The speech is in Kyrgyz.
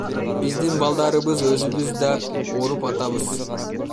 Биздин балдарыбыз, өзүбүз да ооруп атабыз.